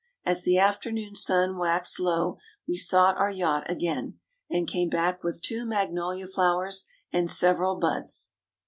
As the afternoon sun waxed low we sought our yacht again, and came back with two magnolia flowers and several buds.